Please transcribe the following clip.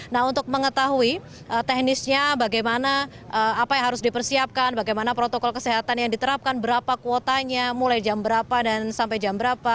nah untuk mengetahui teknisnya bagaimana apa yang harus dipersiapkan bagaimana protokol kesehatan yang diterapkan berapa kuotanya mulai jam berapa dan sampai jam berapa